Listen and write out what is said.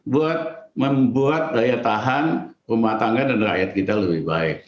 buat membuat daya tahan rumah tangga dan rakyat kita lebih baik